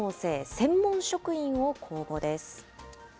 専門職員を公募です。